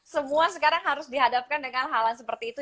semua sekarang harus dihadapkan dengan hal hal seperti itu